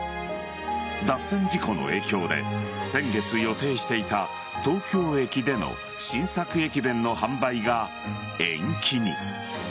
脱線事故の影響で先月予定していた東京駅での新作駅弁の販売が延期に。